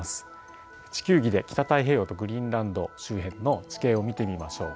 地球儀で北太平洋とグリーンランド周辺の地形を見てみましょう。